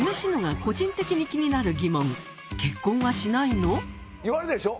ここで言われるでしょ？